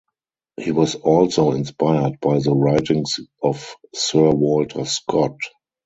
He was also inspired by the writings of Sir Walter Scott.